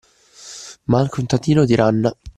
Ma anche un tantino tiranna